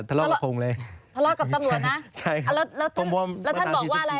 ถลอกกับตำรวจนะ